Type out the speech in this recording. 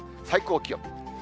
最高気温。